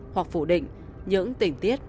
hoặc phủ định những tỉnh tiết